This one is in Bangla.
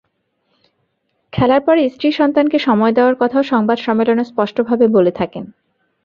খেলার পরে স্ত্রী সন্তানকে সময় দেওয়ার কথাও সংবাদ সম্মেলনে স্পষ্টভাবে বলে থাকেন।